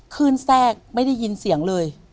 แทรกไม่ได้ยินเสียงเลย